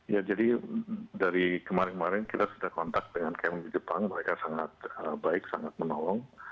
ya jadi dari kemarin kemarin kita sudah kontak dengan km jepang mereka sangat baik sangat menolong